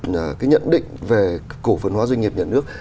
là cái nhận định về cổ phần hóa doanh nghiệp nhà nước